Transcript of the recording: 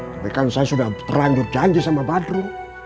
tapi kan saya sudah terlanjur janji sama badru